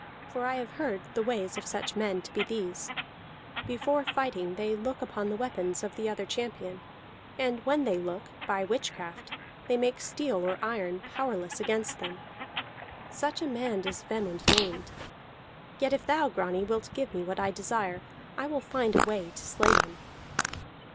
For I have heard the ways of such men to be these: before fighting they look upon the weapons of the other champion, and when they look, by witchcraft they make steel or iron powerless against them. Such a man is Vemund named. Yet if thou, Grani, wilt give me what I desire, I will find a way to slay him."